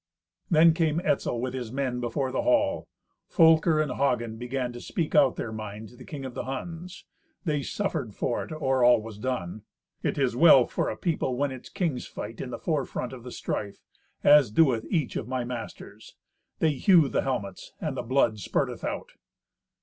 Then came Etzel with his men before the hall. Folker and Hagen began to speak out their mind to the King of the Huns. They suffered for it or all was done. "It is well for a people when its kings fight in the forefront of the strife as doeth each of my masters. They hew the helmets, and the blood spurteth out."